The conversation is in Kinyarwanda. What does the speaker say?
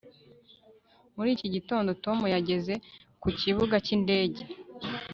muri iki gitondo, tom yageze ku kibuga cy'indege